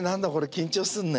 緊張すんね